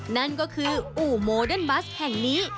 นั่นก็คืออู่โมเดิร์นบัสแห่งนี้